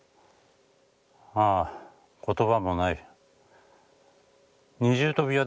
ああ言葉もない。